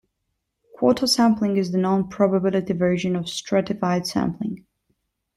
Quota sampling is the non probability version of stratified sampling.